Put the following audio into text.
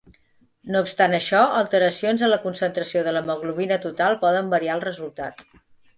No obstant això alteracions en la concentració de l'hemoglobina total poden variar el resultat.